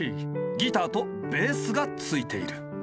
ギターとベースが付いている。